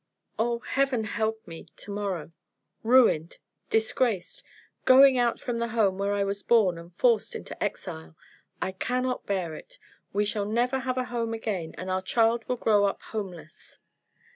oh, Heaven help me to morrow! Ruined, disgraced, going out from the home where I was born, and forced into exile. I cannot bear it. We shall never have a home again, and our child will grow up homeless!"